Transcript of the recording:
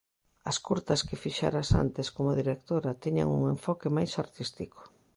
As curtas que fixeras antes como directora tiñan un enfoque máis artístico.